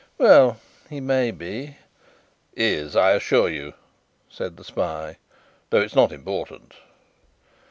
"Well; he may be." "Is, I assure you," said the spy; "though it's not important."